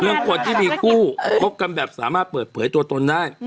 คนที่มีคู่คบกันแบบสามารถเปิดเผยตัวตนได้